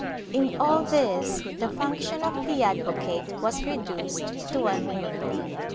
^ In all this the function of the advocate was reduced to a mini mum.